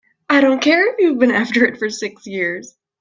I don't care if you've been after it for six years!